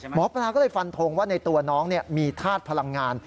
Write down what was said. หมอปลาก็เลยฟันทงว่าในตัวน้องมีธาตุพลังงาน